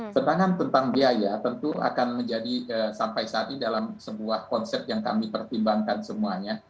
sedangkan tentang biaya tentu akan menjadi sampai saat ini dalam sebuah konsep yang kami pertimbangkan semuanya